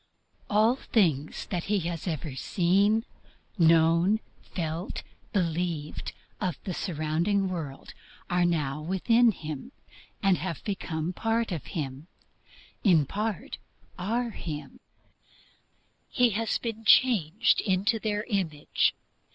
All things that he has ever seen, known, felt, believed of the surrounding world are now within him, have become part of him, in part are him he has been changed into their image.